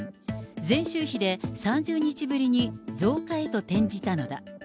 前週比で３０日ぶりに増加へと転じたのだ。